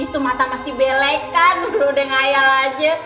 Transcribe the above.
itu mata masih belek kan lo dengan ayah lo aja